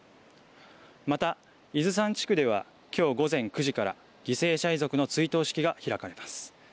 また、伊豆山地区ではきょう午前９時から、犠牲者遺族の追悼式が開かれます。